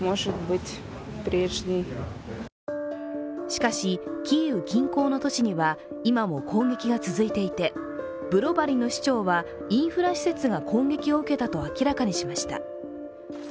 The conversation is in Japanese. しかし、キーウ近郊のとしには今も攻撃が続いていてブロバリの市長はインフラ施設が攻撃を受けたと明らかにしました。